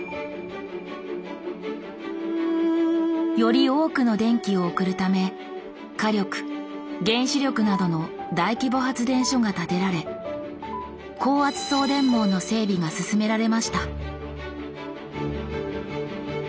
より多くの電気を送るため火力・原子力などの大規模発電所が建てられ高圧送電網の整備が進められました。